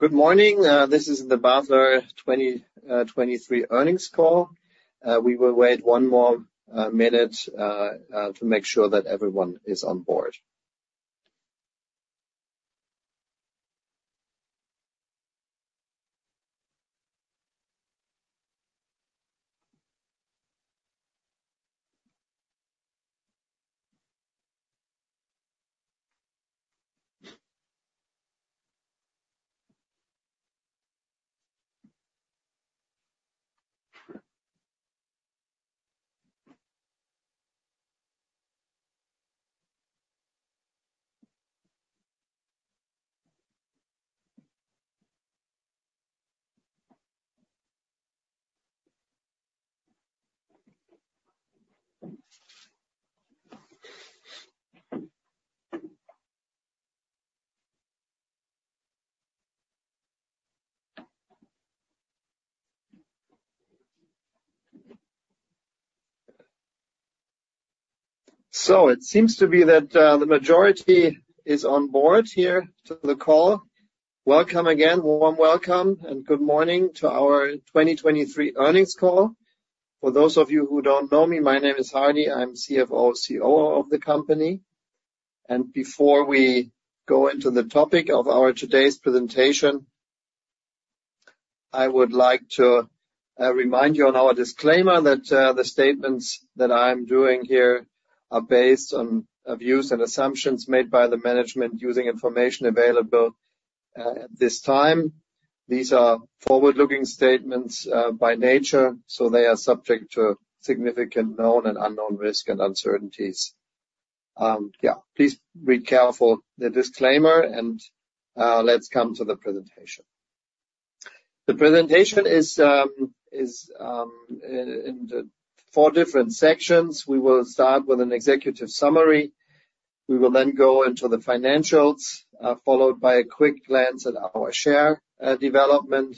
Good morning. This is the Basler 2023 Earnings Call. We will wait one more minute to make sure that everyone is on board. So it seems to be that the majority is on board here to the call. Welcome again, warm welcome, and good morning to our 2023 Earnings Call. For those of you who don't know me, my name is Hardy. I'm CFO, COO of the company. And before we go into the topic of our today's presentation, I would like to remind you on our disclaimer that the statements that I'm doing here are based on views and assumptions made by the management using information available at this time. These are forward-looking statements by nature, so they are subject to significant known and unknown risk and uncertainties. Yeah, please read carefully the disclaimer, and let's come to the presentation. The presentation is in the four different sections. We will start with an executive summary. We will then go into the financials, followed by a quick glance at our share development,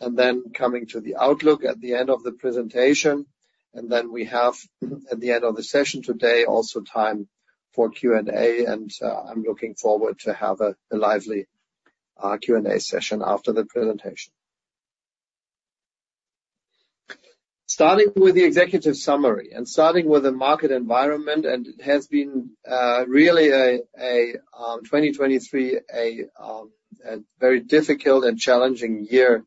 and then coming to the outlook at the end of the presentation. And then we have, at the end of the session today, also time for Q&A, and I'm looking forward to have a lively Q&A session after the presentation. Starting with the executive summary and starting with the market environment, and it has been really a 2023, a very difficult and challenging year.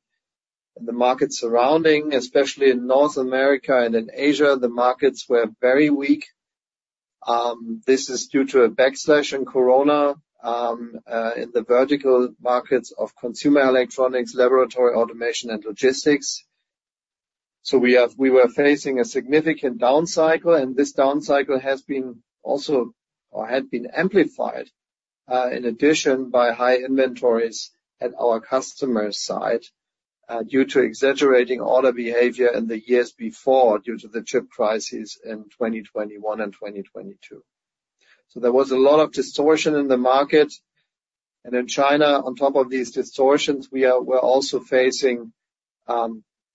The markets surrounding, especially in North America and in Asia, the markets were very weak. This is due to a backlash in Corona, in the vertical markets of consumer electronics, laboratory automation, and logistics. So we were facing a significant downcycle, and this downcycle has been also or had been amplified, in addition by high inventories at our customer's side, due to exaggerating order behavior in the years before due to the chip crises in 2021 and 2022. So there was a lot of distortion in the market. And in China, on top of these distortions, we're also facing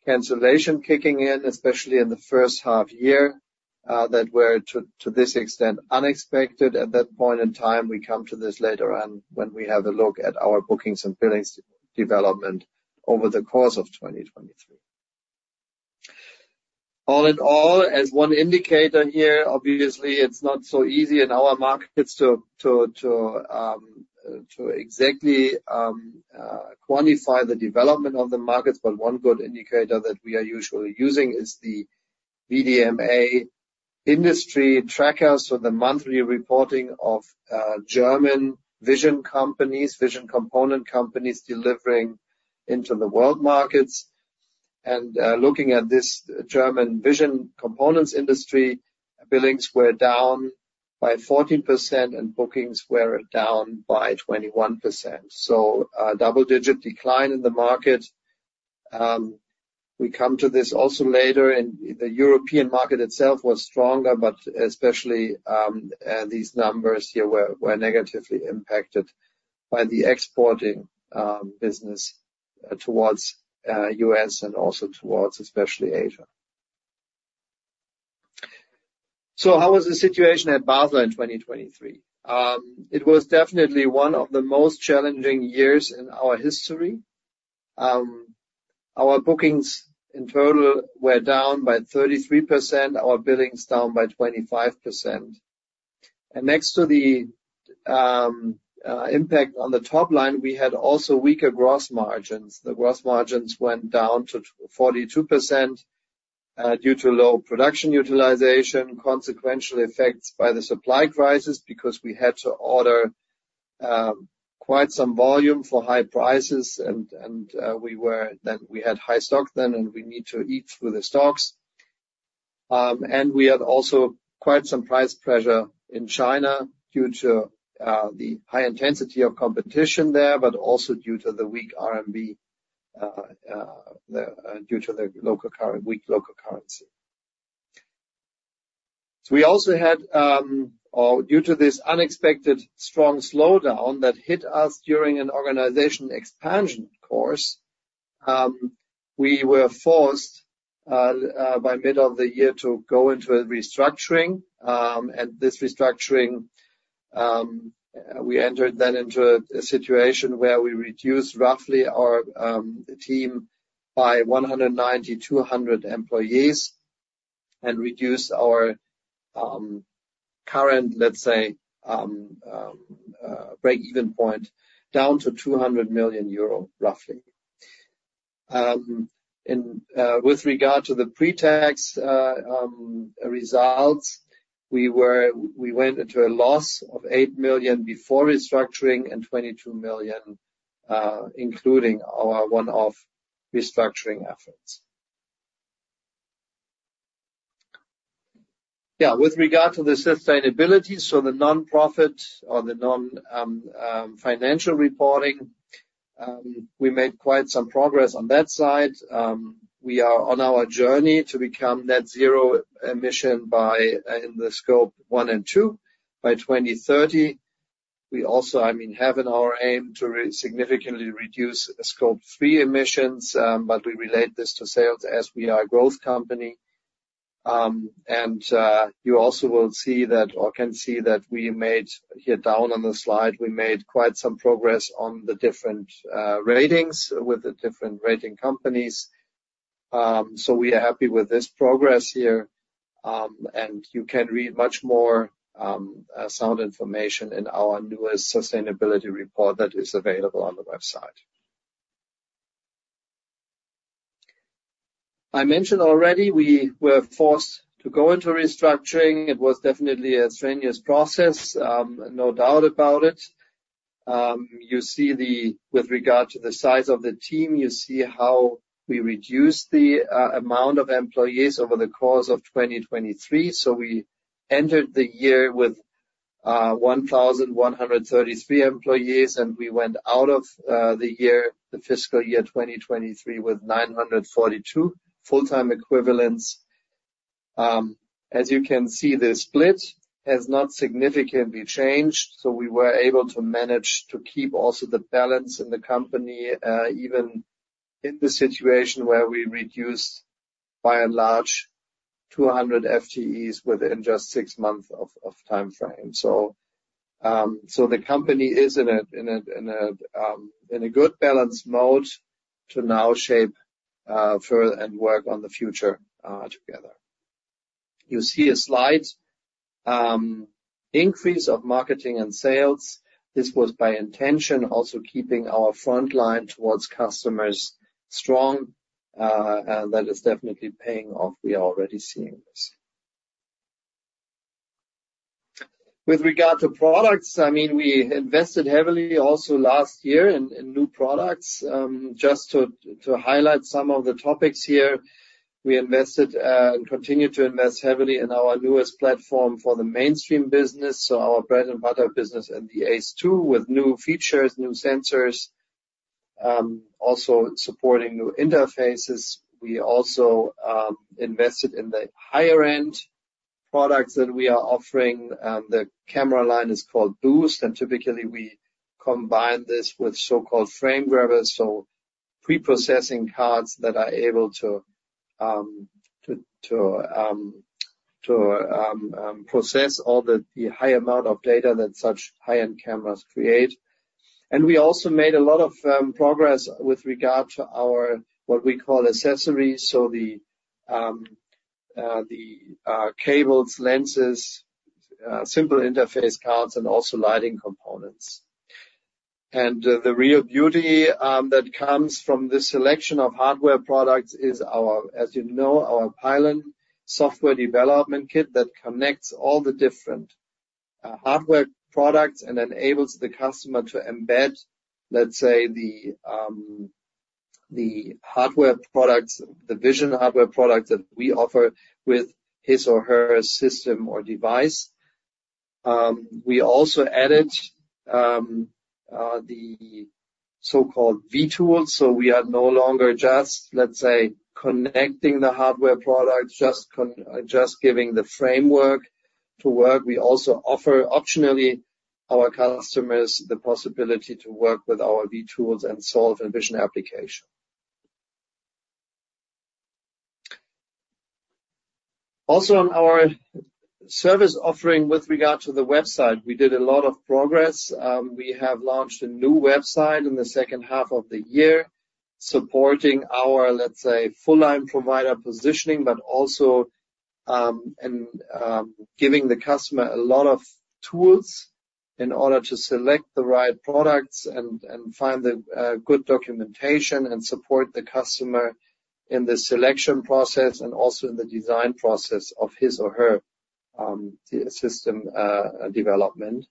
cancellation kicking in, especially in the first half year, that were to this extent unexpected. At that point in time, we come to this later on when we have a look at our bookings and billings development over the course of 2023. All in all, as one indicator here, obviously, it's not so easy in our markets to exactly quantify the development of the markets. But one good indicator that we are usually using is the VDMA industry tracker, so the monthly reporting of German vision companies, vision component companies delivering into the world markets. Looking at this, German vision components industry billings were down by 14%, and bookings were down by 21%. So, double-digit decline in the market. We come to this also later. The European market itself was stronger, but especially these numbers here were negatively impacted by the exporting business towards US and also towards especially Asia. So how was the situation at Basler in 2023? It was definitely one of the most challenging years in our history. Our bookings in total were down by 33%, our billings down by 25%. Next to the impact on the top line, we had also weaker gross margins. The gross margins went down to 42%, due to low production utilization, consequential effects by the supply crisis because we had to order quite some volume for high prices, and we had high stock then, and we need to eat through the stocks. We had also quite some price pressure in China due to the high intensity of competition there, but also due to the weak RMB, due to the weak local currency. So, due to this unexpected strong slowdown that hit us during an organizational expansion course, we were forced by mid of the year to go into a restructuring. And this restructuring, we entered then into a situation where we reduced roughly our team by 190-200 employees and reduced our current, let's say, break-even point down to 200 million euro roughly. With regard to the pre-tax results, we went into a loss of 8 million before restructuring and 22 million, including our one-off restructuring efforts. Yeah, with regard to the sustainability, so the non-financial reporting, we made quite some progress on that side. We are on our journey to become net-zero emission by, in the Scope 1 and 2 by 2030. We also, I mean, have in our aim to reduce significantly Scope 3 emissions, but we relate this to sales as we are a growth company. You also will see that or can see that we made here down on the slide, we made quite some progress on the different ratings with the different rating companies. So we are happy with this progress here. And you can read much more sound information in our newest sustainability report that is available on the website. I mentioned already we were forced to go into restructuring. It was definitely a strenuous process, no doubt about it. You see the with regard to the size of the team, you see how we reduced the amount of employees over the course of 2023. So we entered the year with 1,133 employees, and we went out of the year, the fiscal year 2023, with 942 full-time equivalents. As you can see, the split has not significantly changed, so we were able to manage to keep also the balance in the company, even in the situation where we reduced by and large 200 FTEs within just six months of time frame. So the company is in a good balanced mode to now shape further and work on the future together. You see a slide increase of marketing and sales. This was by intention, also keeping our front line towards customers strong, and that is definitely paying off. We are already seeing this. With regard to products, I mean, we invested heavily also last year in new products. Just to highlight some of the topics here, we invested and continue to invest heavily in our newest platform for the mainstream business, so our bread-and-butter business and the ace 2 with new features, new sensors, also supporting new interfaces. We also invested in the higher-end products that we are offering. The camera line is called boost, and typically, we combine this with so-called frame grabbers, so preprocessing cards that are able to process all the high amount of data that such high-end cameras create. And we also made a lot of progress with regard to our what we call accessories, so the cables, lenses, simple interface cards, and also lighting components. And the real beauty that comes from this selection of hardware products is our, as you know, our pylon software development kit that connects all the different hardware products and enables the customer to embed, let's say, the hardware products, the vision hardware products that we offer with his or her system or device. We also added the so-called vTools, so we are no longer just, let's say, connecting the hardware products, just giving the framework to work. We also offer optionally our customers the possibility to work with our vTools and solve a vision application. Also on our service offering with regard to the website, we did a lot of progress. We have launched a new website in the second half of the year supporting our, let's say, full-line provider positioning, but also, and, giving the customer a lot of tools in order to select the right products and, and find the, good documentation and support the customer in the selection process and also in the design process of his or her, the system, development.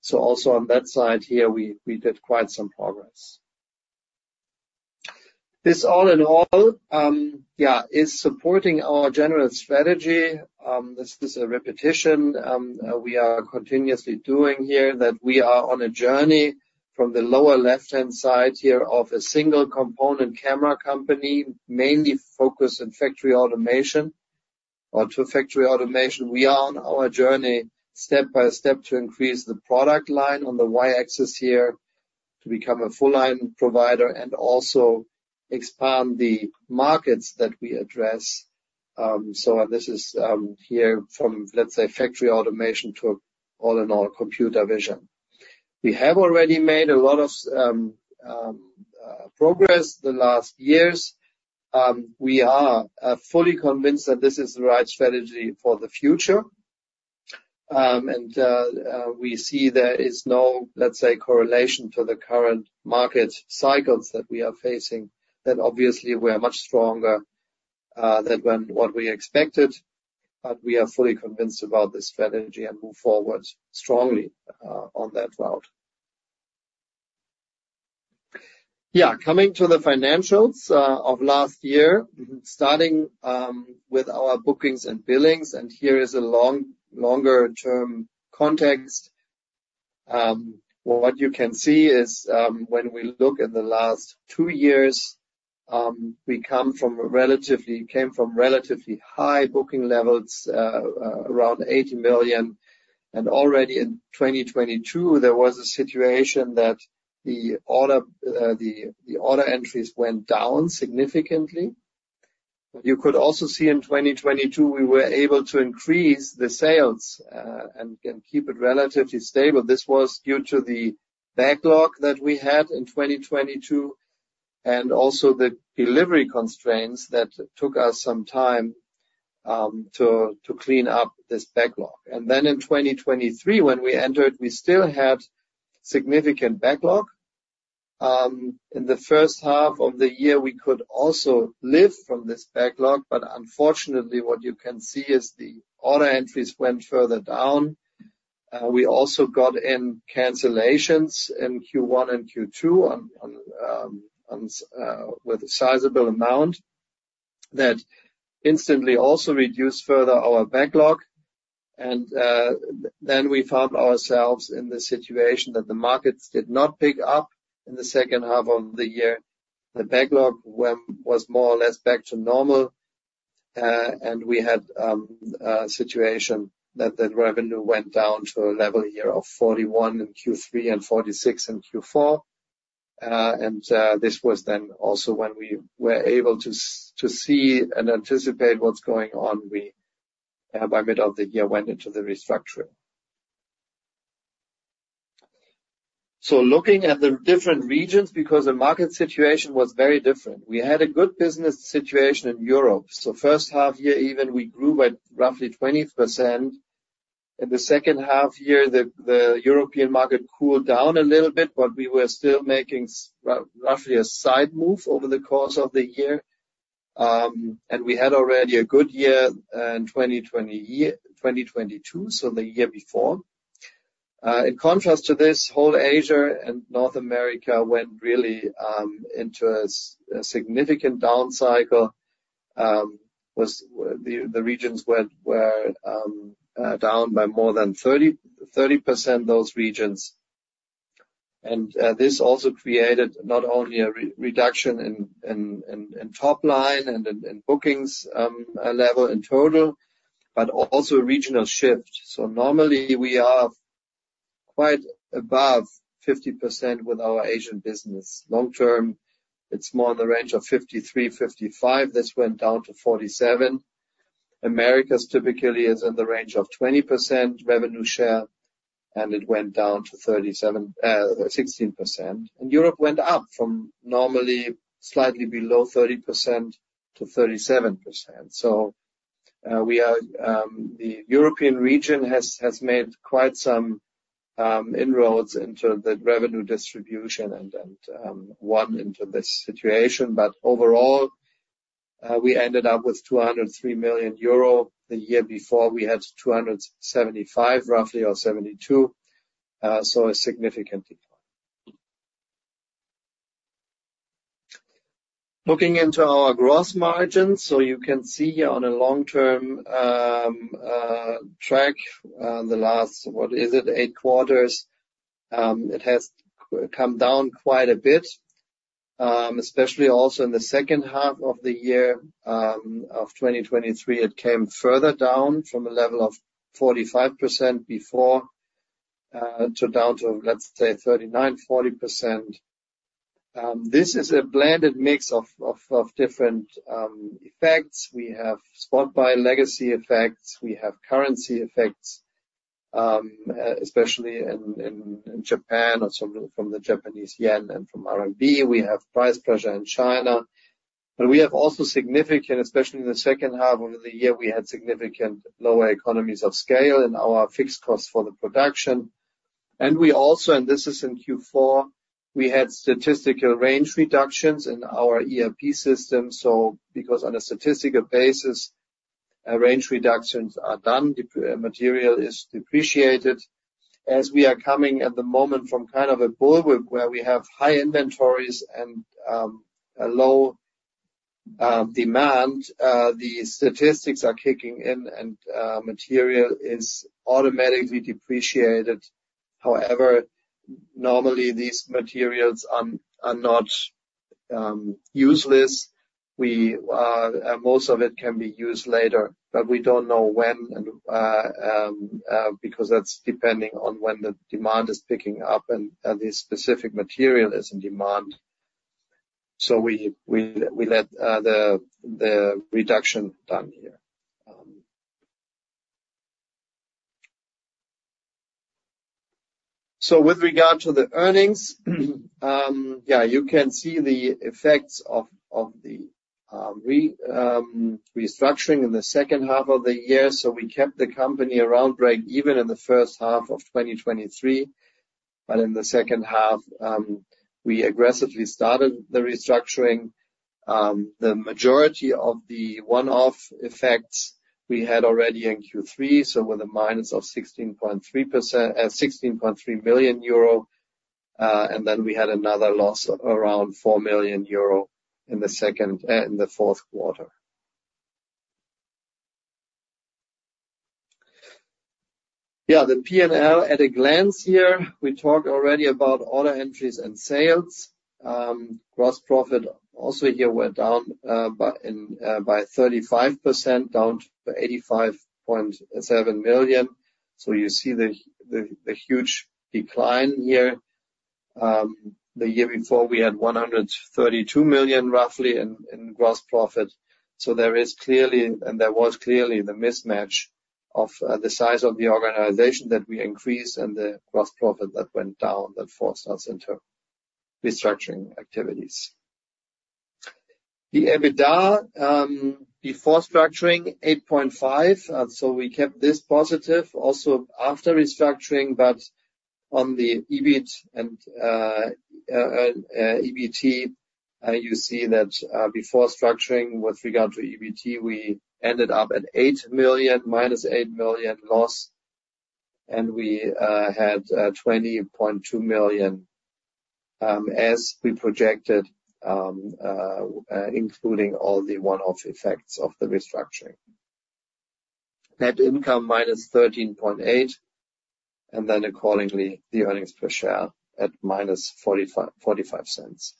So also on that side here, we, we did quite some progress. This all in all, yeah, is supporting our general strategy. This is a repetition we are continuously doing here, that we are on a journey from the lower left-hand side here of a single-component camera company mainly focused on factory automation or to factory automation. We are on our journey step by step to increase the product line on the Y-axis here to become a full-line provider and also expand the markets that we address. So, this is here from, let's say, factory automation to all in all computer vision. We have already made a lot of progress the last years. We are fully convinced that this is the right strategy for the future. And we see there is no, let's say, correlation to the current market cycles that we are facing that obviously we are much stronger than what we expected. But we are fully convinced about this strategy and move forward strongly on that route. Yeah, coming to the financials of last year, starting with our bookings and billings, and here is a longer-term context. What you can see is, when we look in the last two years, we came from relatively high booking levels, around 80 million. And already in 2022, there was a situation that the order entries went down significantly. But you could also see in 2022, we were able to increase the sales and keep it relatively stable. This was due to the backlog that we had in 2022 and also the delivery constraints that took us some time to clean up this backlog. And then in 2023, when we entered, we still had significant backlog. In the first half of the year, we could also live from this backlog, but unfortunately, what you can see is the order entries went further down. We also got in cancellations in Q1 and Q2 on some with a sizable amount that instantly also reduced further our backlog. Then we found ourselves in the situation that the markets did not pick up in the second half of the year. The backlog was more or less back to normal, and we had a situation that the revenue went down to a level here of 41 in Q3 and 46 in Q4. This was then also when we were able to see and anticipate what's going on. We by mid of the year went into the restructuring. Looking at the different regions because the market situation was very different. We had a good business situation in Europe. So first half year even, we grew by roughly 20%. In the second half year, the European market cooled down a little bit, but we were still making roughly a side move over the course of the year. We had already a good year in 2022, so the year before. In contrast to this, whole Asia and North America went into a significant down cycle. The regions were down by more than 30% those regions. This also created not only a reduction in top line and in bookings level in total, but also a regional shift. So normally, we are quite above 50% with our Asian business. Long term, it's more in the range of 53%-55%. This went down to 47%. America's typically is in the range of 20% revenue share, and it went down to 16%. Europe went up from normally slightly below 30% to 37%. So, the European region has made quite some inroads into the revenue distribution and run into this situation. But overall, we ended up with 203 million euro. The year before, we had roughly EUR 275 million or 272 million, so a significant decline. Looking into our gross margins, you can see here on a long-term track the last eight quarters; it has come down quite a bit, especially also in the second half of the year of 2023. It came further down from a level of 45% before to, let's say, 39%-40%. This is a blended mix of different effects. We have spot-buy legacy effects. We have currency effects, especially in Japan or somewhat from the Japanese yen and from RMB. We have price pressure in China. But we have also significant, especially in the second half of the year, we had significant lower economies of scale in our fixed costs for the production. And we also, and this is in Q4, we had statistical range reductions in our ERP system. So because on a statistical basis, range reductions are done, depot material is depreciated. As we are coming at the moment from kind of a bullwhip where we have high inventories and low demand, the statistics are kicking in and material is automatically depreciated. However, normally, these materials are not useless. We most of it can be used later, but we don't know when and, because that's depending on when the demand is picking up and, this specific material is in demand. So we let the reduction done here. So with regard to the earnings, yeah, you can see the effects of the restructuring in the second half of the year. So we kept the company around break even in the first half of 2023. But in the second half, we aggressively started the restructuring. The majority of the one-off effects, we had already in Q3, so with a minus of 16.3 million euro. And then we had another loss around 4 million euro in the fourth quarter. Yeah, the P&L at a glance here. We talked already about order entries and sales. Gross profit also here went down by 35% down to 85.7 million. So you see the huge decline here. The year before, we had 132 million roughly in gross profit. So there is clearly and there was clearly the mismatch of the size of the organization that we increased and the gross profit that went down that forced us into restructuring activities. The EBITDA before structuring, 8.5 million. So we kept this positive also after restructuring, but on the EBIT and EBT, you see that before structuring with regard to EBT, we ended up at minus 8 million loss. And we had 20.2 million, as we projected, including all the one-off effects of the restructuring. Net income minus 13.8 million. And then accordingly, the earnings per share at minus 0.45.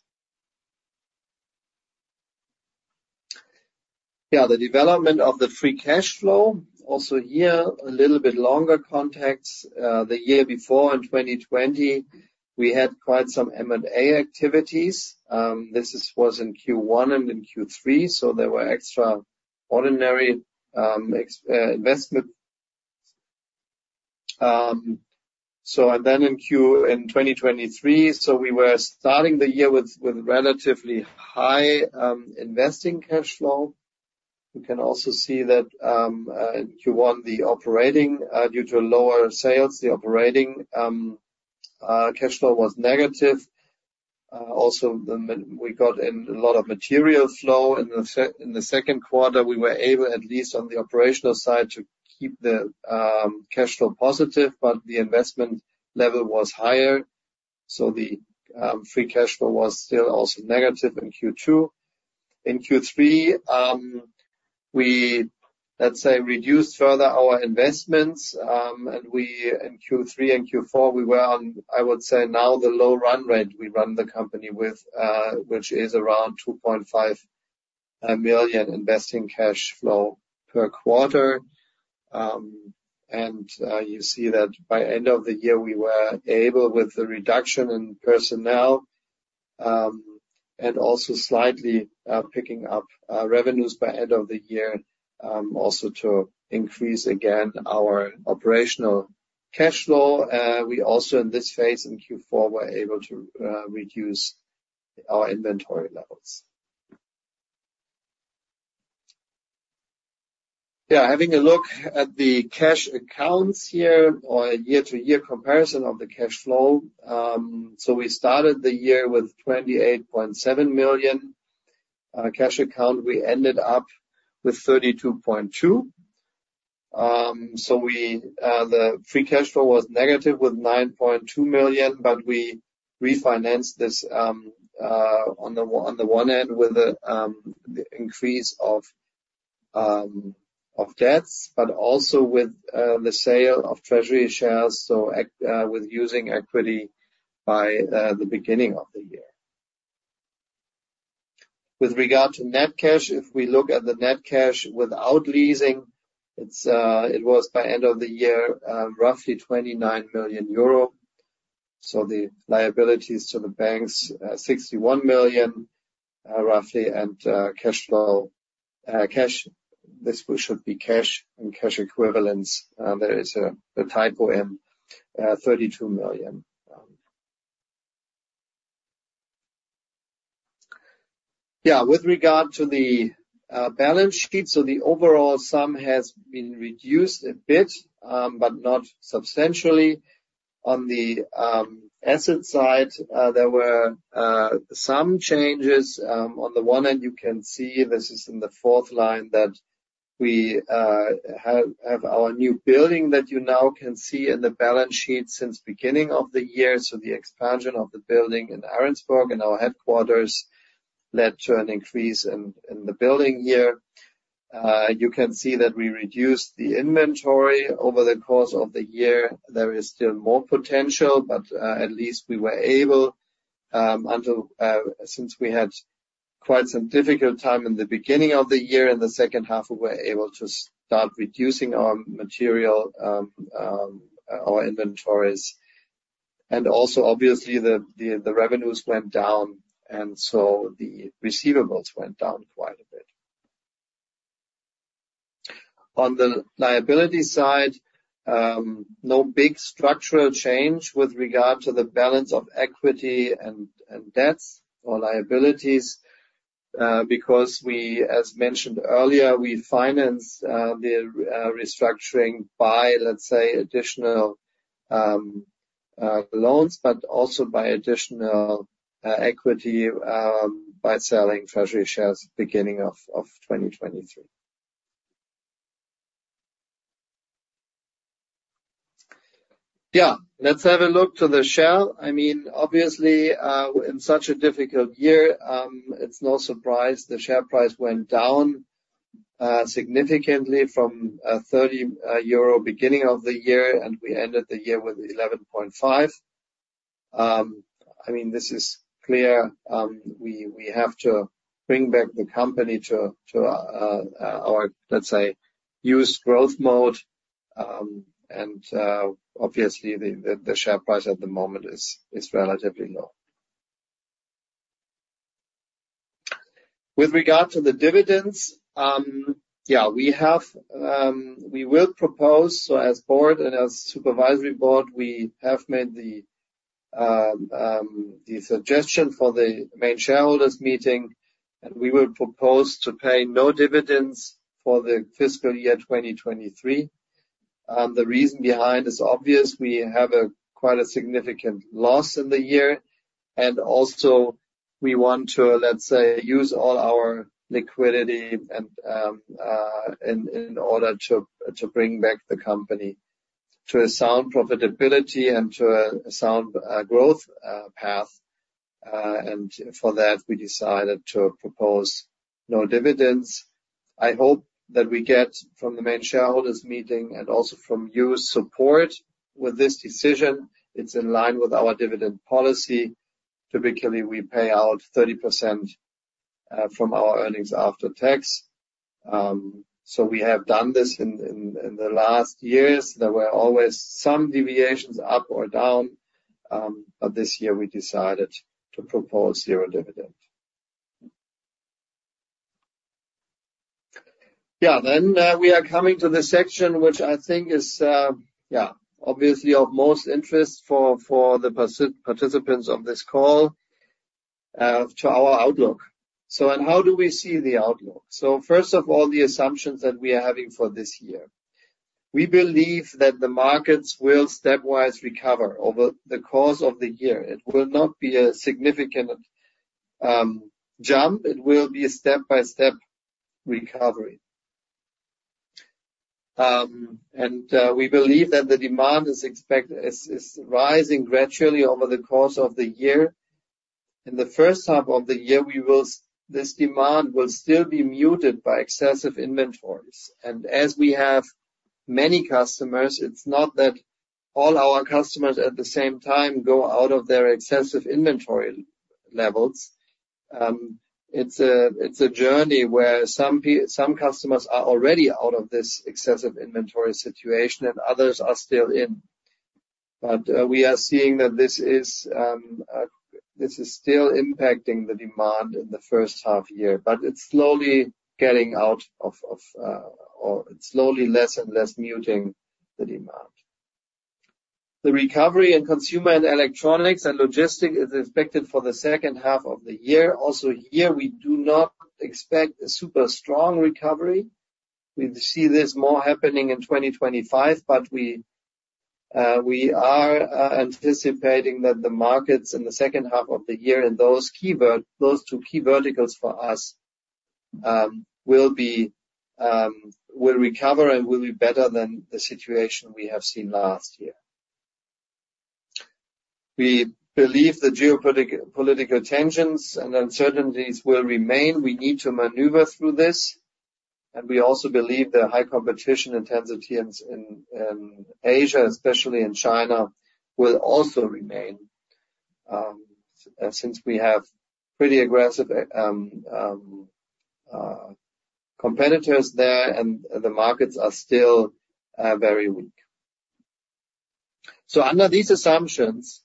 Yeah, the development of the free cash flow. Also, here a little bit longer context. The year before in 2020, we had quite some M&A activities. This was in Q1 and in Q3, so there were extraordinary capex investments. And then in 2023, we were starting the year with relatively high investing cash flow. You can also see that, in Q1, the operating cash flow, due to lower sales, was negative. Also, we got a lot of material inflow in the second quarter. We were able, at least on the operational side, to keep the cash flow positive, but the investment level was higher. So the free cash flow was still also negative in Q2. In Q3, we, let's say, reduced further our investments. In Q3 and Q4, we were on, I would say, now the low run rate we run the company with, which is around 2.5 million investing cash flow per quarter. You see that by the end of the year, we were able with the reduction in personnel, and also slightly picking up revenues by the end of the year, also to increase again our operational cash flow. We also in this phase in Q4 were able to reduce our inventory levels. Yeah, having a look at the cash accounts here or a year-to-year comparison of the cash flow. So we started the year with 28.7 million cash account. We ended up with 32.2 million. So the free cash flow was negative 9.2 million, but we refinanced this on the one end with the increase of debts, but also with the sale of treasury shares, so etc. with using equity by the beginning of the year. With regard to net cash, if we look at the net cash without leasing, it was by the end of the year roughly 29 million euro. So the liabilities to the banks 61 million roughly, and cash and cash equivalents. There is a typo in 32 million. Yeah, with regard to the balance sheet, the overall sum has been reduced a bit, but not substantially. On the asset side, there were some changes. On the one end, you can see this is in the fourth line that we have our new building that you now can see in the balance sheet since beginning of the year. So the expansion of the building in Ahrensburg and our headquarters led to an increase in the building here. You can see that we reduced the inventory over the course of the year. There is still more potential, but at least we were able, until since we had quite some difficult time in the beginning of the year, in the second half, we were able to start reducing our material, our inventories. And also obviously, the revenues went down, and so the receivables went down quite a bit. On the liability side, no big structural change with regard to the balance of equity and debts or liabilities, because we, as mentioned earlier, financed the restructuring by, let's say, additional loans, but also by additional equity, by selling treasury shares beginning of 2023. Yeah, let's have a look to the share. I mean, obviously, in such a difficult year, it's no surprise the share price went down significantly from 30 euro beginning of the year, and we ended the year with 11.5. I mean, this is clear. We have to bring back the company to our, let's say, used growth mode. And obviously, the share price at the moment is relatively low. With regard to the dividends, yeah, we will propose so as board and as supervisory board, we have made the suggestion for the main shareholders meeting, and we will propose to pay no dividends for the fiscal year 2023. The reason behind is obvious. We have quite a significant loss in the year. And also, we want to, let's say, use all our liquidity and in order to bring back the company to a sound profitability and to a sound growth path. And for that, we decided to propose no dividends. I hope that we get from the main shareholders meeting and also from your support with this decision; it's in line with our dividend policy. Typically, we pay out 30% from our earnings after tax. So we have done this in the last years. There were always some deviations up or down, but this year, we decided to propose zero dividend. Yeah, then, we are coming to the section, which I think is, yeah, obviously of most interest for the participants of this call, to our outlook. So, how do we see the outlook? So first of all, the assumptions that we are having for this year. We believe that the markets will stepwise recover over the course of the year. It will not be a significant jump. It will be a step-by-step recovery. We believe that the demand is rising gradually over the course of the year. In the first half of the year, we will see this demand will still be muted by excessive inventories. As we have many customers, it's not that all our customers at the same time go out of their excessive inventory levels. It's a journey where some customers are already out of this excessive inventory situation, and others are still in. But we are seeing that this is still impacting the demand in the first half year, but it's slowly getting out of, or it's slowly less and less muting the demand. The recovery in consumer electronics and logistics is expected for the second half of the year. Also here, we do not expect a super strong recovery. We see this more happening in 2025, but we are anticipating that the markets in the second half of the year in those two key verticals for us will recover and will be better than the situation we have seen last year. We believe the geopolitical tensions and uncertainties will remain. We need to maneuver through this. And we also believe the high competition intensity in Asia, especially in China, will also remain, since we have pretty aggressive competitors there, and the markets are still very weak. So under these assumptions,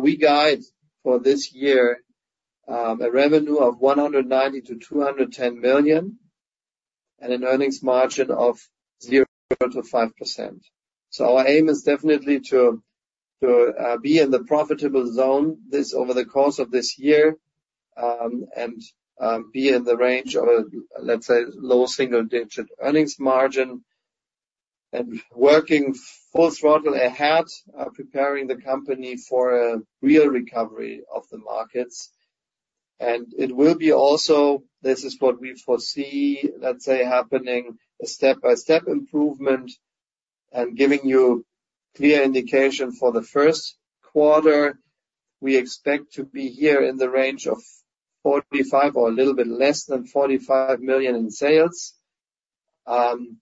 we guide for this year a revenue of 190 million-210 million and an earnings margin of 0%-5%. So our aim is definitely to be in the profitable zone this over the course of this year, and be in the range of a, let's say, low single-digit earnings margin and working full throttle ahead, preparing the company for a real recovery of the markets. And it will be also this is what we foresee, let's say, happening a step-by-step improvement and giving you clear indication for the first quarter. We expect to be here in the range of 45 million or a little bit less than 45 million in sales.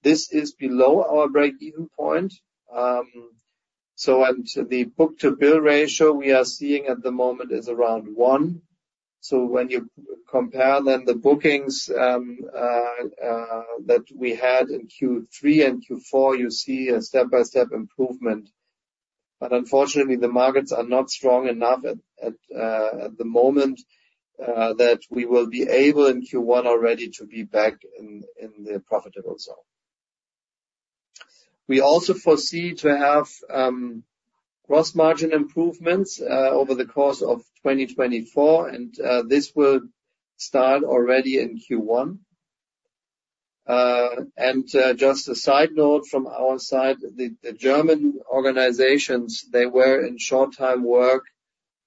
This is below our break-even point. So and the book-to-bill ratio we are seeing at the moment is around 1. So when you compare then the bookings, that we had in Q3 and Q4, you see a step-by-step improvement. But unfortunately, the markets are not strong enough at the moment that we will be able in Q1 already to be back in the profitable zone. We also foresee to have gross margin improvements over the course of 2024, and this will start already in Q1. And just a side note from our side, the German organizations, they were in short-time work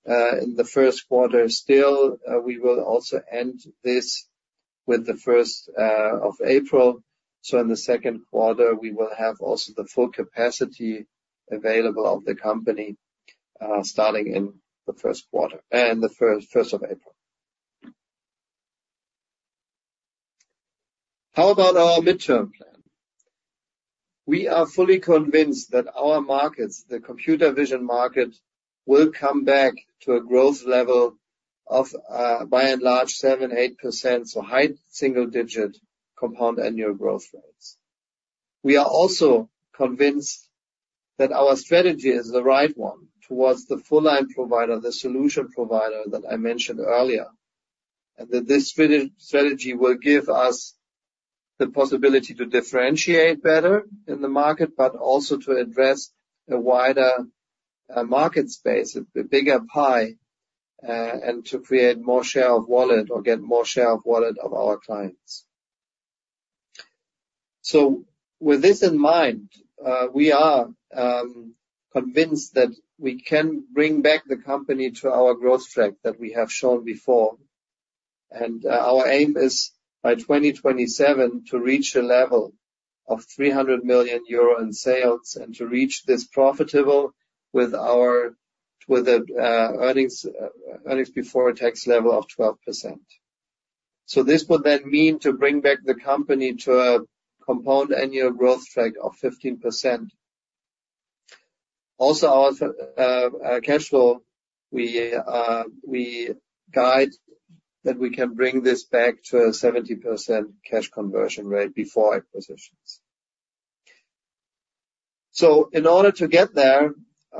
in the first quarter still. We will also end this with the 1st of April. So in the second quarter, we will have also the full capacity available of the company, starting in the first quarter and the 1st of April. How about our midterm plan? We are fully convinced that our markets, the computer vision market, will come back to a growth level of, by and large, 7%-8%, so high single-digit compound annual growth rates. We are also convinced that our strategy is the right one towards the full-line provider, the solution provider that I mentioned earlier, and that this strategy will give us the possibility to differentiate better in the market, but also to address a wider market space, a bigger pie, and to create more share of wallet or get more share of wallet of our clients. So with this in mind, we are convinced that we can bring back the company to our growth track that we have shown before. Our aim is by 2027 to reach a level of 300 million euro in sales and to reach this profitable with a earnings before tax level of 12%. So this would then mean to bring back the company to a compound annual growth track of 15%. Also, our free cash flow, we guide that we can bring this back to a 70% cash conversion rate before acquisitions. So in order to get there,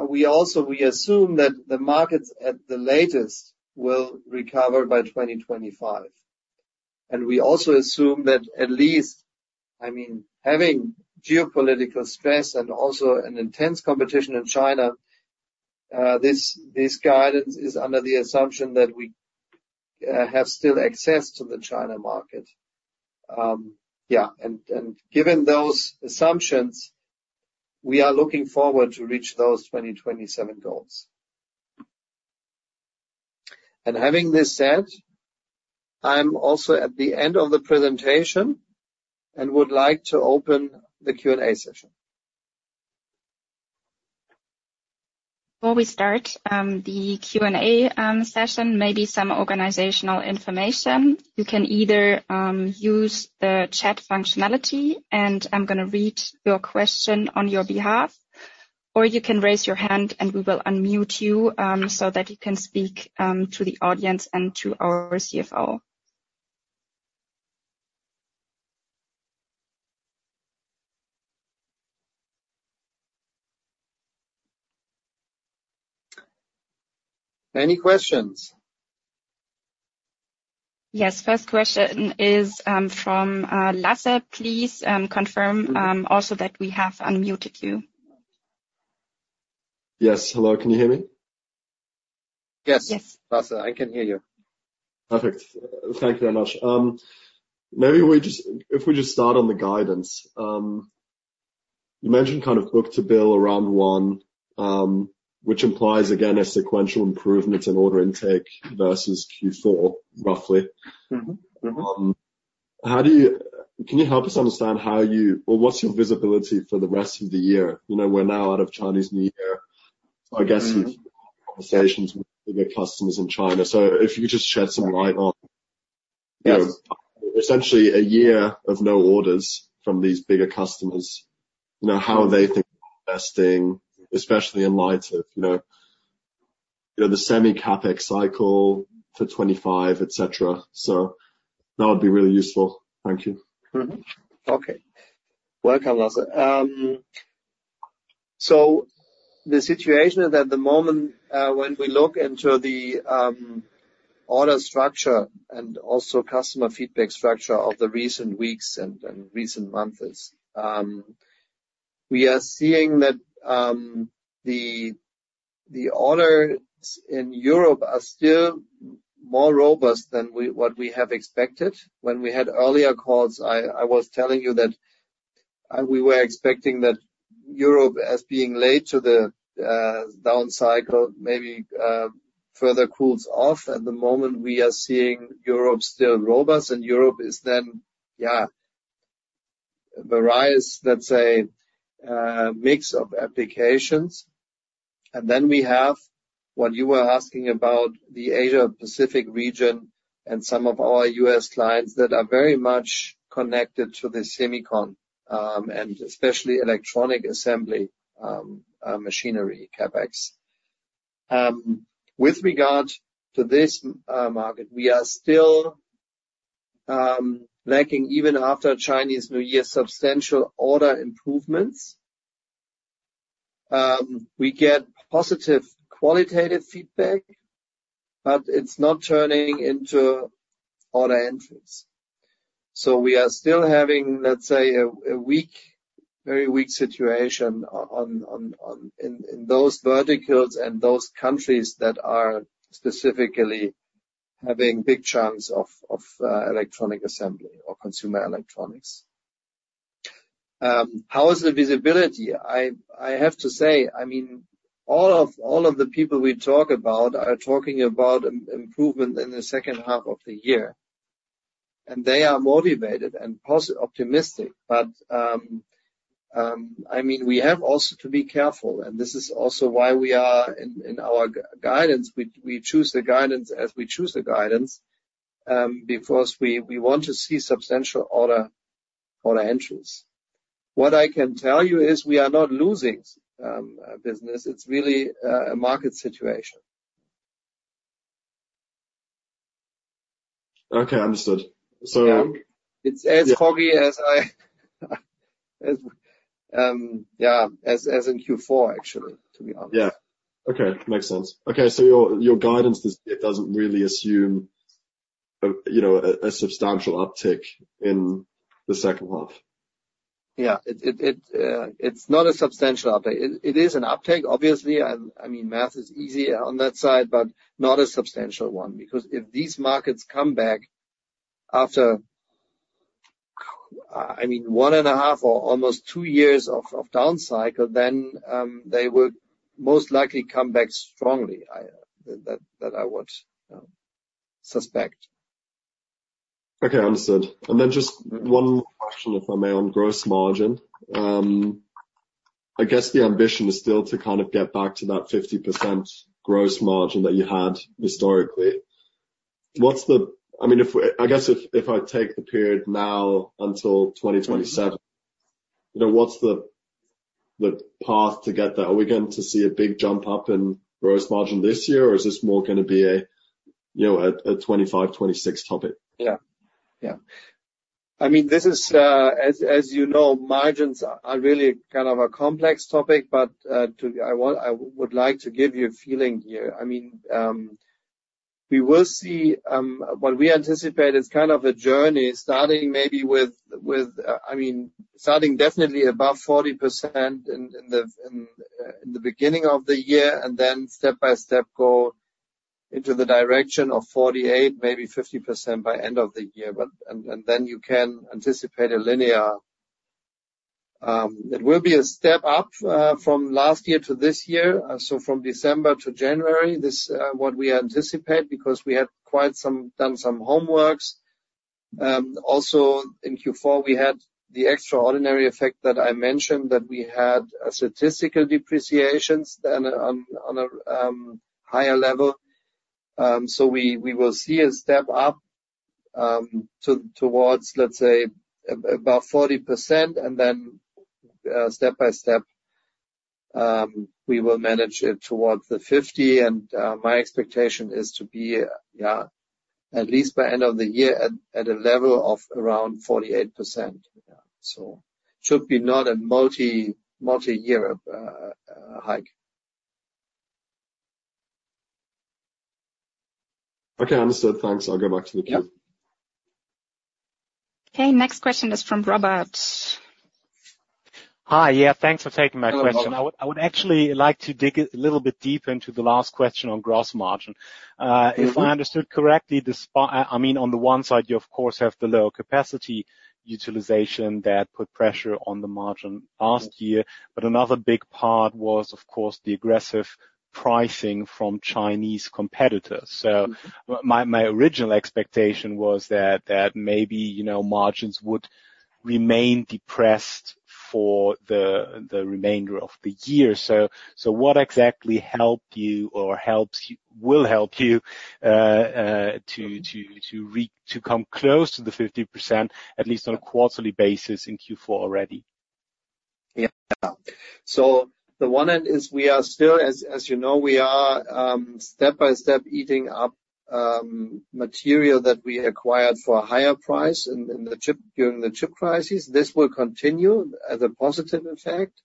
we assume that the markets at the latest will recover by 2025. And we also assume that at least I mean, having geopolitical stress and also an intense competition in China, this guidance is under the assumption that we have still access to the China market. Yeah, and given those assumptions, we are looking forward to reach those 2027 goals. And having this said, I'm also at the end of the presentation and would like to open the Q&A session. Before we start the Q&A session, maybe some organizational information. You can either use the chat functionality, and I'm going to read your question on your behalf, or you can raise your hand, and we will unmute you so that you can speak to the audience and to our CFO. Any questions? Yes, first question is from Lasse. Please confirm also that we have unmuted you. Yes. Hello. Can you hear me? Yes, Lasse. I can hear you. Perfect. Thank you very much. Maybe we just if we just start on the guidance. You mentioned kind of book-to-bill around 1, which implies again a sequential improvement in order intake versus Q4, roughly. How do you can you help us understand how you or what's your visibility for the rest of the year? You know, we're now out of Chinese New Year, so I guess you've had conversations with bigger customers in China. So if you could just shed some light on, you know, essentially a year of no orders from these bigger customers, you know, how they think they're investing, especially in light of, you know, you know, the semi CapEx cycle for 2025, etc. So that would be really useful. Thank you. Okay. Welcome, Lasse. So the situation is, at the moment, when we look into the order structure and also customer feedback structure of the recent weeks and recent months, we are seeing that the orders in Europe are still more robust than what we have expected. When we had earlier calls, I was telling you that we were expecting that Europe, being late to the down cycle maybe, further cools off. At the moment, we are seeing Europe still robust, and Europe is then, yeah, a variety, let's say, mix of applications. And then we have what you were asking about the Asia-Pacific region and some of our U.S. clients that are very much connected to the semicon, and especially electronic assembly, machinery, CapEx. With regard to this market, we are still lacking even after Chinese New Year substantial order improvements. We get positive qualitative feedback, but it's not turning into order entries. So we are still having, let's say, a weak, very weak situation on in those verticals and those countries that are specifically having big chunks of electronic assembly or consumer electronics. How is the visibility? I have to say, I mean, all of the people we talk about are talking about improvement in the second half of the year. And they are motivated and optimistic. But, I mean, we have also to be careful, and this is also why we are in our guidance. We choose the guidance as we choose the guidance, because we want to see substantial order entries. What I can tell you is we are not losing business. It's really a market situation. Okay. Understood. It's as foggy as I, yeah, as in Q4, actually, to be honest. Yeah. Okay. Makes sense. Okay. So your guidance this year doesn't really assume a, you know, a substantial uptick in the second half. Yeah. It's not a substantial uptake. It is an uptake, obviously. I mean, math is easy on that side, but not a substantial one because if these markets come back after, I mean, 1.5 or almost 2 years of down cycle, then they will most likely come back strongly, I that, that I would, you know, suspect. Okay. Understood. And then just one more question, if I may, on gross margin. I guess the ambition is still to kind of get back to that 50% gross margin that you had historically. What's the—I mean, if we—I guess if I take the period now until 2027, you know, what's the path to get there? Are we going to see a big jump up in gross margin this year, or is this more going to be a, you know, a 2025, 2026 topic? Yeah. I mean, this is, as you know, margins are really kind of a complex topic, but I would like to give you a feeling here. I mean, we will see, what we anticipate is kind of a journey starting maybe with, I mean, starting definitely above 40% in the beginning of the year and then step-by-step go into the direction of 48%, maybe 50% by end of the year. But, and then you can anticipate a linear it will be a step up, from last year to this year, so from December to January, this what we anticipate because we had quite some homework. Also in Q4, we had the extraordinary effect that I mentioned that we had statistical depreciations then on a higher level. So we will see a step up towards, let's say, above 40%, and then, step-by-step, we will manage it towards the 50%. And my expectation is to be, yeah, at least by end of the year at a level of around 48%. Yeah. So it should be not a multi-year hike. Okay. Understood. Thanks. I'll go back to the queue. Okay. Next question is from Robert. Hi. Yeah. Thanks for taking my question. I would actually like to dig a little bit deeper into the last question on gross margin. If I understood correctly, the spa I mean, on the one side, you, of course, have the low capacity utilization that put pressure on the margin last year, but another big part was, of course, the aggressive pricing from Chinese competitors. So my original expectation was that maybe, you know, margins would remain depressed for the remainder of the year. So what exactly helped you or helps you will help you to reach to come close to the 50% at least on a quarterly basis in Q4 already? Yeah. So the one end is we are still, as you know, we are step-by-step eating up material that we acquired for a higher price in the chip during the chip crisis. This will continue as a positive effect.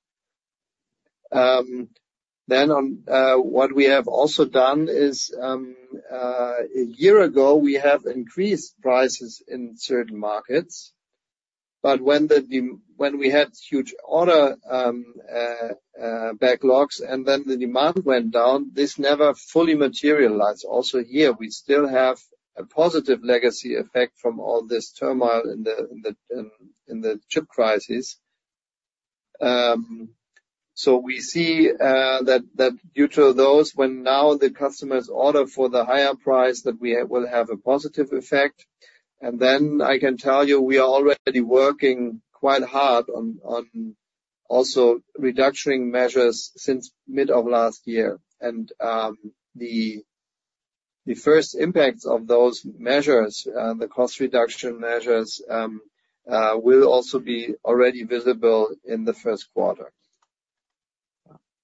Then on, what we have also done is a year ago we have increased prices in certain markets. But when the demand when we had huge order backlogs and then the demand went down, this never fully materialized. Also here, we still have a positive legacy effect from all this turmoil in the chip crisis. So we see that due to those, when now the customers order for the higher price, that we will have a positive effect. And then I can tell you, we are already working quite hard on reduction measures since mid of last year. And the first impacts of those measures, the cost reduction measures, will also be already visible in the first quarter.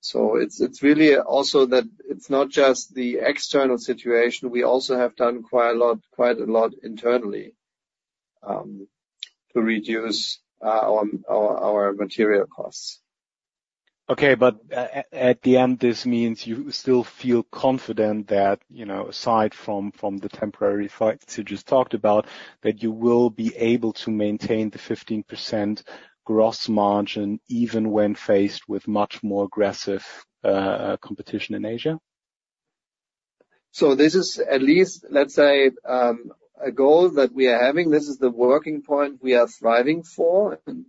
So it's really also that it's not just the external situation. We also have done quite a lot internally to reduce our material costs. Okay. But at the end, this means you still feel confident that, you know, aside from the temporary effects you just talked about, that you will be able to maintain the 15% gross margin even when faced with much more aggressive competition in Asia? So this is at least, let's say, a goal that we are having. This is the working point we are striving for. And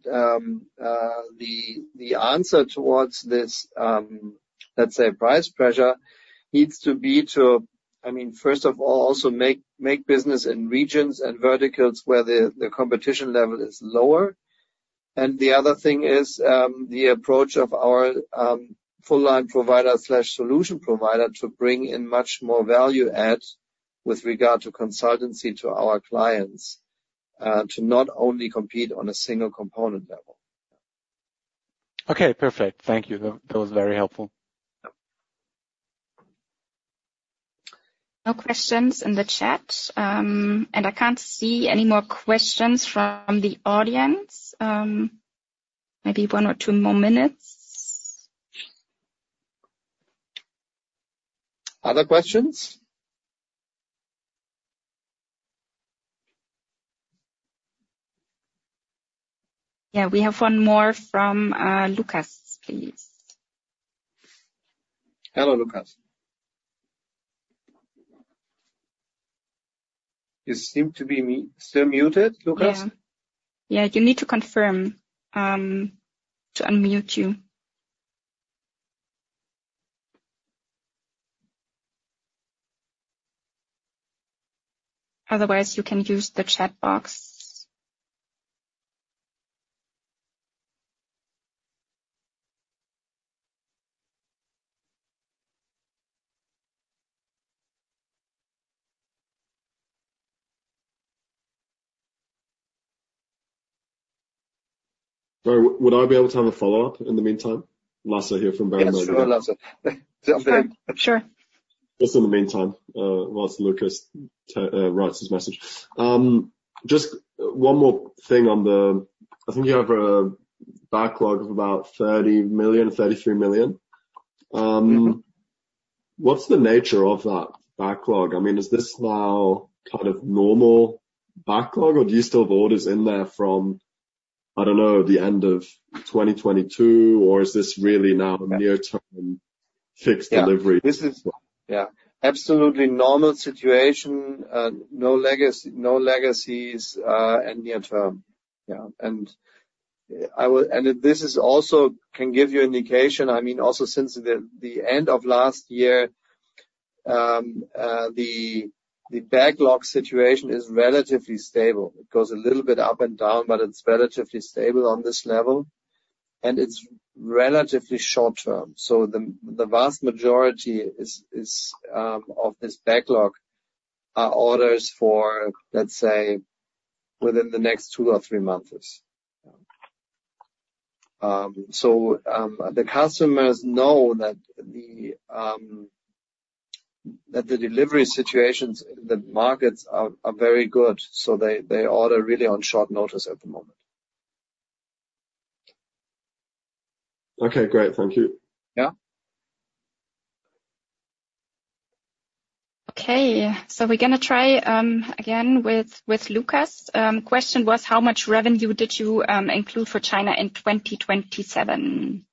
the answer towards this, let's say, price pressure needs to be to, I mean, first of all, also make business in regions and verticals where the competition level is lower. And the other thing is, the approach of our full-line provider/solution provider to bring in much more value add with regard to consultancy to our clients, to not only compete on a single component level. Okay. Perfect. Thank you. That was very helpful. No questions in the chat. I can't see any more questions from the audience. Maybe one or two more minutes. Other questions? Yeah. We have one more from Lukas, please. Hello, Lukas. You seem to be still muted, Lukas? Yeah. You need to confirm to unmute you. Otherwise, you can use the chat box. Sorry. Would I be able to have a follow-up in the meantime? Lasse, I hear from very many of you. Yeah. Sure, Lasse. Jump in. Sure. Just in the meantime, whilst Lukas tries to write his message. Just one more thing on the, I think you have a backlog of about 30 million, 33 million. What's the nature of that backlog? I mean, is this now kind of normal backlog, or do you still have orders in there from, I don't know, the end of 2022, or is this really now a near-term fixed delivery? This is yeah. Absolutely normal situation, no legacy, no legacies, and near-term. Yeah. And I will and this is also can give you indication. I mean, also since the end of last year, the backlog situation is relatively stable. It goes a little bit up and down, but it's relatively stable on this level. And it's relatively short-term. So the vast majority is of this backlog are orders for, let's say, within the next two or three months. Yeah. So, the customers know that the delivery situations in the markets are very good. So they order really on short notice at the moment. Okay. Great. Thank you. Okay. So we're going to try, again with, with Lukas. Question was, how much revenue did you include for China in 2027?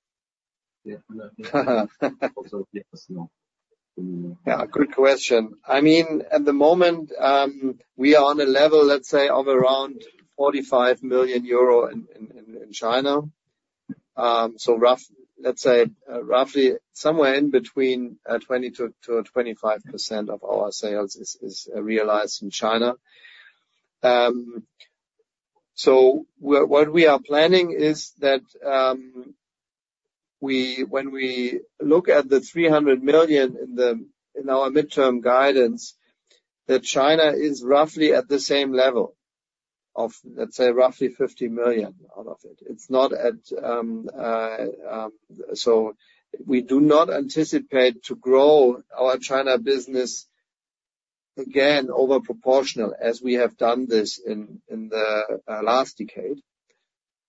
Yeah. Good question. I mean, at the moment, we are on a level, let's say, of around 45 million euro in, in, in, in China. So roughly, let's say, roughly somewhere in between 20%-25% of our sales is realized in China. So what we are planning is that, when we look at the 300 million in our midterm guidance, that China is roughly at the same level of, let's say, roughly 50 million out of it. It's not at, so we do not anticipate to grow our China business again overproportional as we have done this in the last decade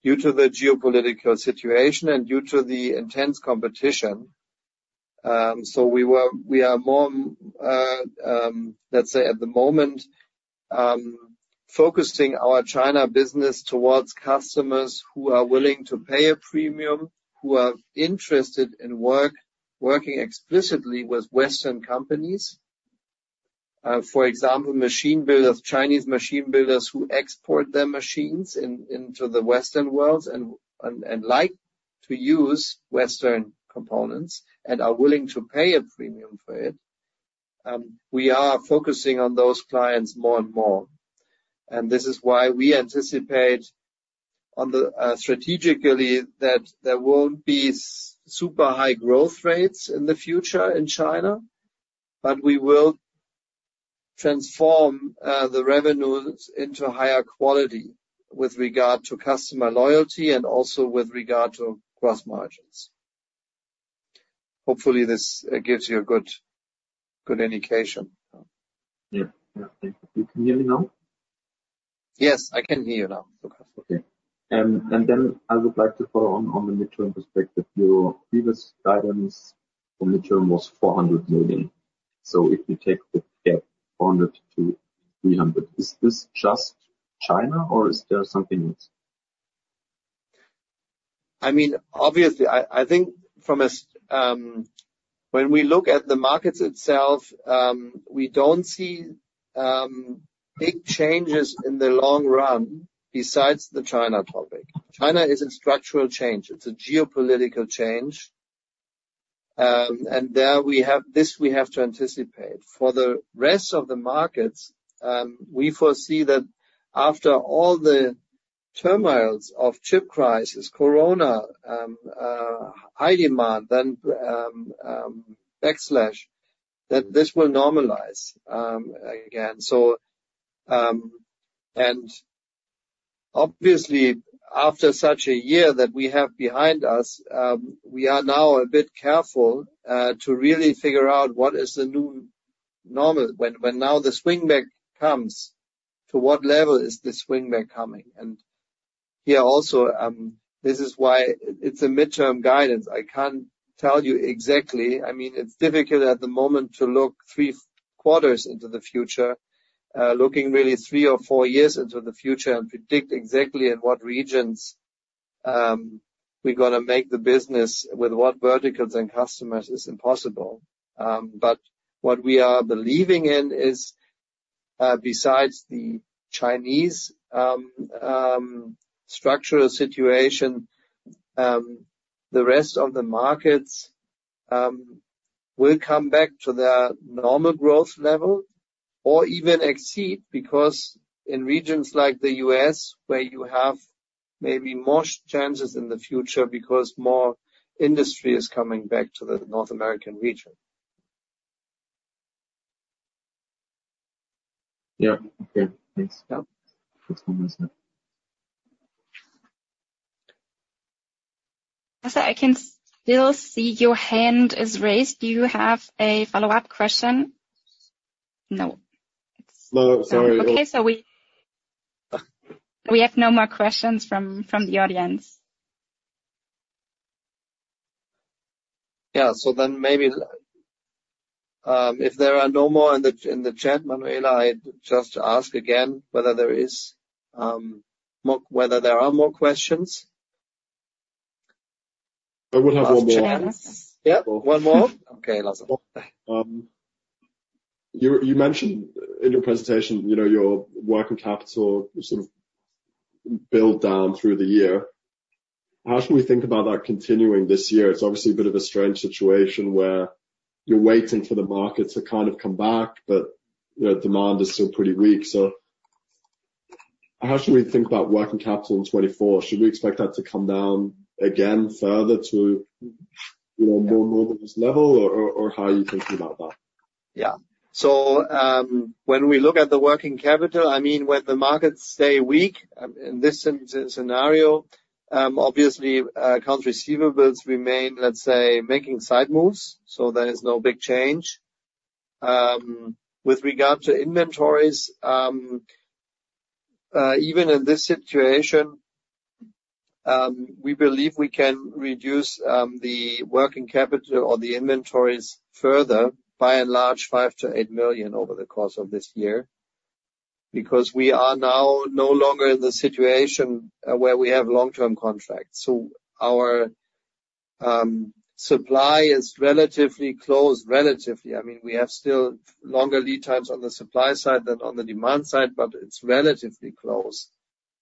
due to the geopolitical situation and due to the intense competition. So we are more, let's say, at the moment, focusing our China business towards customers who are willing to pay a premium, who are interested in working explicitly with Western companies. For example, machine builders, Chinese machine builders who export their machines into the Western worlds and like to use Western components and are willing to pay a premium for it. We are focusing on those clients more and more. And this is why we anticipate strategically that there won't be super high growth rates in the future in China, but we will transform the revenues into higher quality with regard to customer loyalty and also with regard to gross margins. Hopefully, this gives you a good indication. Yeah. Thank you. You can hear me now? Yes. I can hear you now, Lukas. Okay. Then I would like to follow on the midterm perspective. Your previous guidance for midterm was 400 million. So if you take the gap 400 million to 300 million, is this just China, or is there something else? I mean, obviously, I think from as when we look at the markets itself, we don't see big changes in the long run besides the China topic. China is a structural change. It's a geopolitical change, and there we have to anticipate. For the rest of the markets, we foresee that after all the turmoils of chip crisis, corona, high demand, then backlash, that this will normalize again. Obviously, after such a year that we have behind us, we are now a bit careful to really figure out what is the new normal when now the swingback comes, to what level is the swingback coming. Here also, this is why it's a midterm guidance. I can't tell you exactly. I mean, it's difficult at the moment to look three quarters into the future, looking really three or four years into the future and predict exactly in what regions we're going to make the business with what verticals and customers is impossible. But what we are believing in is, besides the Chinese structural situation, the rest of the markets will come back to their normal growth level or even exceed because in regions like the U.S. where you have maybe more chances in the future because more industry is coming back to the North American region. Yeah. Okay. Thanks. Lasse, I can still see your hand is raised. Do you have a follow-up question? No. Okay. So we have no more questions from the audience. Yeah. So then maybe, if there are no more in the chat, Manuela, I'd just ask again whether there are more questions. I would have one more. Lasse, can you answer? Yeah. One more. Okay. Lasse. You mentioned in your presentation, you know, your working capital sort of built down through the year. How should we think about that continuing this year? It's obviously a bit of a strange situation where you're waiting for the market to kind of come back, but, you know, demand is still pretty weak. So how should we think about working capital in 2024? Should we expect that to come down again further to, you know, more normalized level, or, or, or how are you thinking about that? Yeah. So, when we look at the working capital, I mean, when the markets stay weak, in this sense scenario, obviously, customer receivables remain, let's say, making sideways moves. So there is no big change. With regard to inventories, even in this situation, we believe we can reduce the working capital or the inventories further, by and large, 5 million-8 million over the course of this year because we are now no longer in the situation where we have long-term contracts. So our supply is relatively close, relatively. I mean, we have still longer lead times on the supply side than on the demand side, but it's relatively close,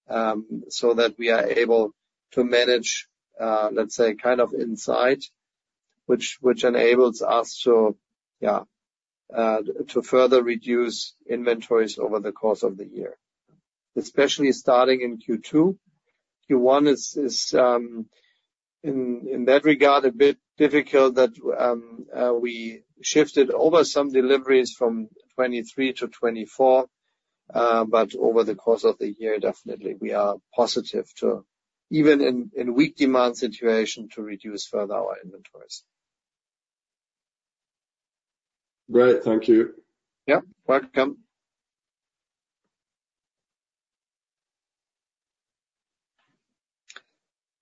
so that we are able to manage, let's say, kind of insight, which enables us to, yeah, to further reduce inventories over the course of the year, especially starting in Q2. Q1 is, in that regard, a bit difficult that we shifted over some deliveries from 2023-2024, but over the course of the year, definitely, we are positive to even in a weak demand situation to reduce further our inventories. Great. Thank you. Yeah. Welcome.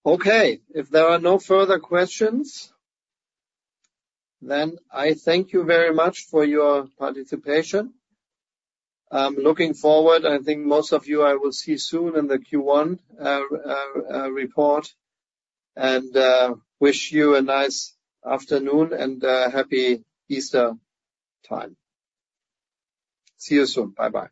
Okay. If there are no further questions, then I thank you very much for your participation. Looking forward, I think most of you I will see soon in the Q1 report and wish you a nice afternoon and happy Easter time. See you soon. Bye-bye.